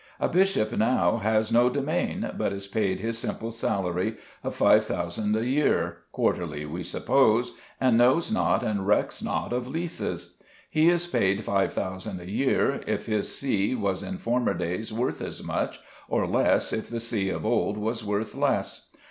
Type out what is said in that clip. A bishop now has no domain, but is paid his simple salary of 5,000_l._ a year, quarterly, we suppose, and knows not and recks not of leases. He is paid 5,000_l._ a year if his see was in former days worth as much, or less if the see of old was worth less.